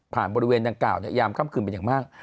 บริเวณดังกล่าวยามค่ำคืนเป็นอย่างมาก